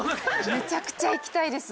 めちゃくちゃ行きたいです。